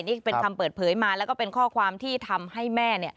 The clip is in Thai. นี่เป็นคำเปิดเผยมาแล้วก็เป็นข้อความที่ทำให้แม่